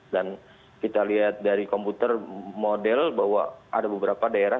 dan kita lihat dari komputer model bahwa ada beberapa daya